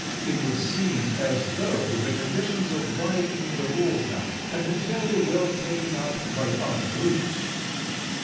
It would seem as though the conditions of life in the water had been fairly well taken up by other groups.